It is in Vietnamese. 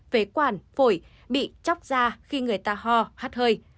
phế quản phổi bị chóc ra khi người ta ho hắt hơi